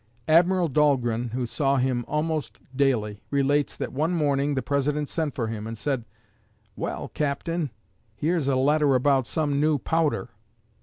Admiral Dahlgren, who saw him almost daily, relates that one morning the President sent for him, and said, "Well, Captain, here's a letter about some new powder."